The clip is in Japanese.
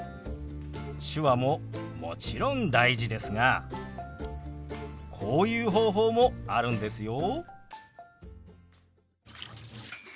手話ももちろん大事ですがこういう方法もあるんですよ。